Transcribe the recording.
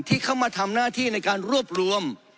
ที่เข้ามาทำหน้าที่ในการรวบรวม